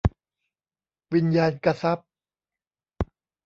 วิญญาณกทรัพย์